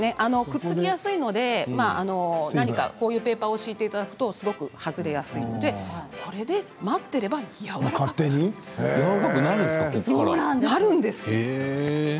くっつきやすいので何かペーパーを敷いていただくと外れやすいのでこれで待っていればやわらかくなるんです。